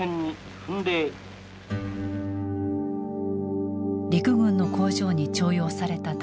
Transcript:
陸軍の工場に徴用された竹鼻。